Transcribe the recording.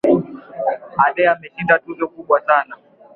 Ade ameshinda tuzo kubwa sana